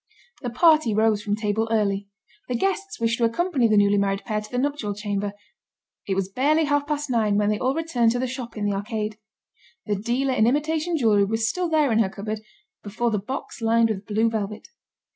The party rose from table early. The guests wished to accompany the newly married pair to the nuptial chamber. It was barely half past nine when they all returned to the shop in the arcade. The dealer in imitation jewelry was still there in her cupboard, before the box lined with blue velvet.